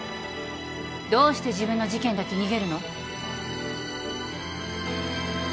どうして自分の事件だけ逃げるの？